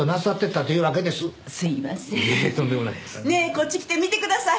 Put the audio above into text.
こっち来て見てください。